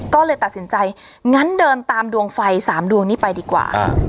ก็เลยตัดสินใจงั้นเดินตามดวงไฟ๓ดวงนี้ไปดีกว่า